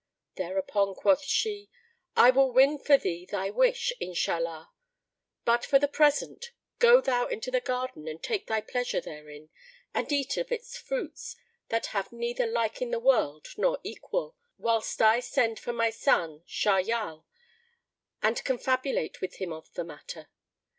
Thereupon quoth she, "I will win for thee thy wish, Inshallah! but for the present go thou into the garden and take thy pleasure therein and eat of its fruits, that have neither like in the world nor equal, whilst I send for my son Shahyal and confabulate with him of the matter.